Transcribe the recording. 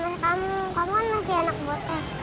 amistri kamu kamu kan masih anak bose